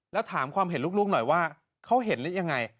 แล้วถามความเห็นลูกหน่อยว่าเขาเห็นหรือยังไง